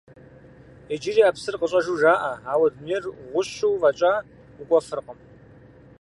Иджыри а псыр къыщӀэжу жаӀэ, ауэ дунейр гъущэу фӀэкӀа укӀуэфыркъым.